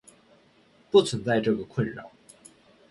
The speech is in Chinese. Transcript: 不存在这个困扰。